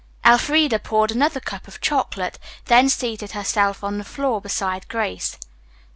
Elfreda poured another cup of chocolate, then seated herself on the floor beside Grace.